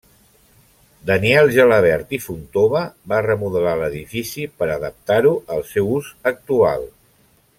Daniel Gelabert i Fontova va remodelar l'edifici per adaptar-ho al seu ús actual.